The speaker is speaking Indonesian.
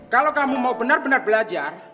kalau kamu mau benar benar belajar